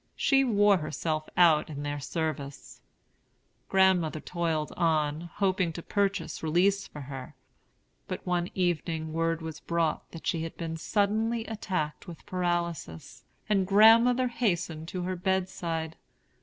She wore herself out in their service. Grandmother toiled on, hoping to purchase release for her. But one evening word was brought that she had been suddenly attacked with paralysis, and grandmother hastened to her bedside.